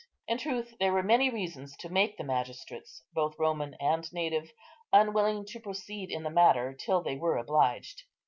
In truth, there were many reasons to make the magistrates, both Roman and native, unwilling to proceed in the matter, till they were obliged.